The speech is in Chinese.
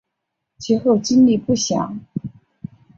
其后经历不详。